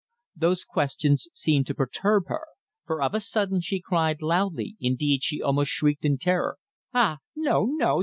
Those questions seemed to perturb her, for of a sudden she cried loudly, indeed she almost shrieked in terror: "Ah! no! no!